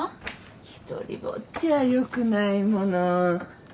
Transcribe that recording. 独りぼっちはよくないもの。